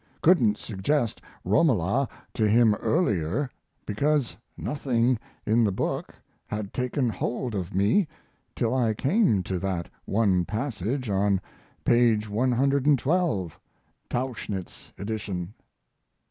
Couldn't suggest Romola to him earlier, because nothing in the book had taken hold of me till I came to that one passage on page 112, Tauchnitz edition.